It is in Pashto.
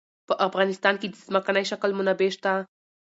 په افغانستان کې د ځمکنی شکل منابع شته.